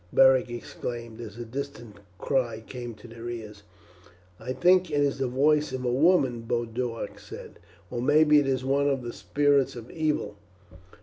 Beric exclaimed as a distant cry came to their ears. "I think it is the voice of a woman," Boduoc said. "Or maybe it is one of the spirits of evil."